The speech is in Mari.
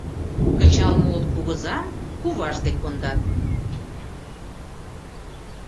Кычал муыт кугызам, куваж дек кондат